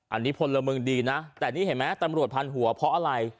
อันนี้พลเมืองดีนะแต่นี่เห็นไหมตำรวจพันหัวเพราะอะไร